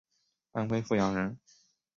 安徽阜阳人。